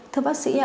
thưa bác sĩ